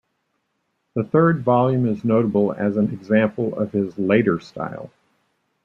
The third volume is notable as an example of his later style.